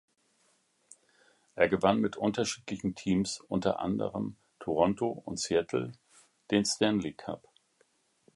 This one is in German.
Er gewann mit unterschiedlichen Teams, unter anderem Toronto und Seattle, den Stanley Cup.